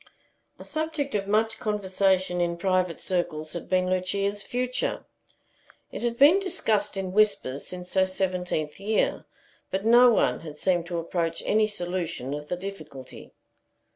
A subject of much conversation in private circles had been Lucia's future. It had been discussed in whispers since her seventeenth year, but no one had seemed to approach any solution of the difficulty.